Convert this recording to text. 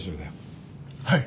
はい。